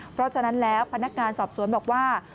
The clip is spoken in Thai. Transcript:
เพราะฉะนั้นแล้วพนักงานสอบสวนบอกว่า